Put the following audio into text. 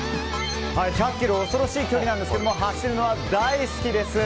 １００ｋｍ恐ろしい距離なんですけど走るのは大好きです。